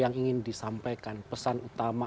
yang ingin disampaikan pesan utama